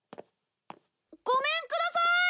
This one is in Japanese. ごめんください！